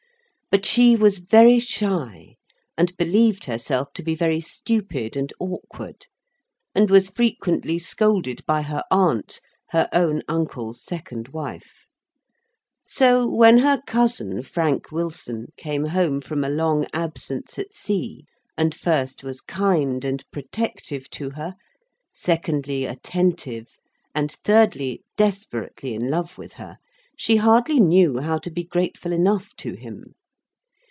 But she was very shy, and believed herself to be very stupid and awkward; and was frequently scolded by her aunt, her own uncle's second wife. So when her cousin, Frank Wilson, came home from a long absence at sea, and first was kind and protective to her; secondly, attentive and thirdly, desperately in love with her, she hardly knew how to be grateful enough to him.